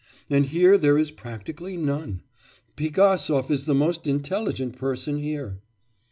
And here there is practically none. Pigasov is the most intelligent person here.